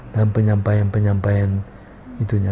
dalam penyampaian penyampaian itunya